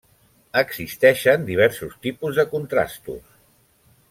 Existeixen diversos tipus de contrastos.